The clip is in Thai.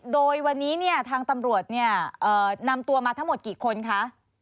โดยวันนี้เนี่ยทางตำรวจเนี่ยนำตัวมาทั้งหมดกี่คนคะ